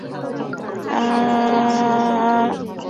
想问一下，三里屯该怎么走？